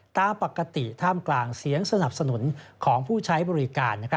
ตามปกติท่ามกลางเสียงสนับสนุนของผู้ใช้บริการ